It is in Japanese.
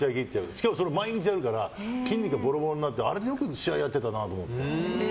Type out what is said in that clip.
しかも毎日やるから筋肉がボロボロになってあれでよく試合やってたなと思って。